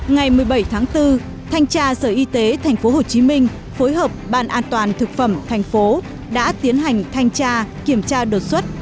ngày một mươi bảy tháng bốn thanh tra sở y tế tp hcm phối hợp ban an toàn thực phẩm thành phố đã tiến hành thanh tra kiểm tra đột xuất